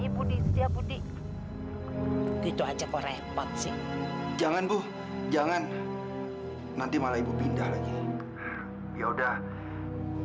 ibu di sudia budi itu aja kok repot sih jangan bu jangan nanti malah ibu pindah lagi ya udah ibu boleh mengadakan tahlilan di rumah nah gitu dong terima kasih haris